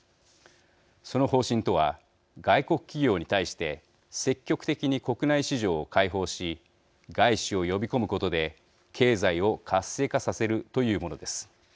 その方針とは、外国企業に対して積極的に国内市場を開放し外資を呼び込むことで経済を活性化させるというものです。